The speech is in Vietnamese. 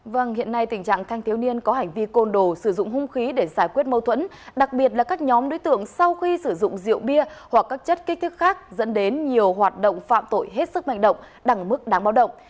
vâng hiện nay tình trạng thanh thiếu niên có hành vi côn đồ sử dụng hung khí để giải quyết mâu thuẫn đặc biệt là các nhóm đối tượng sau khi sử dụng rượu bia hoặc các chất kích thích khác dẫn đến nhiều hoạt động phạm tội hết sức mạnh động đẳng mức đáng báo động